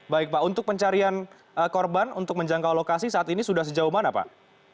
baik pak untuk pencarian korban untuk menjangkau lokasi saat ini sudah sejauh mana pak